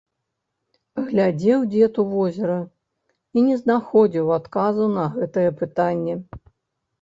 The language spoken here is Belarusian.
Глядзеў дзед у возера і не знаходзіў адказу на гэтае пытанне.